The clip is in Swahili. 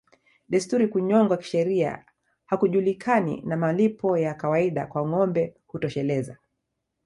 Desturi Kunyongwa kisheria hakujulikani na malipo ya kawaida kwa ngombe hutosheleza